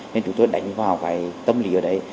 nên chúng tôi đánh vào cái tâm lý ở đấy